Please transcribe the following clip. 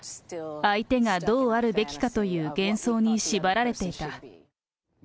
相手がどうあるべきかという幻想に縛られていた。